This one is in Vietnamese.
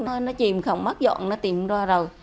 nó chìm không mắt dọn nó tìm ra rồi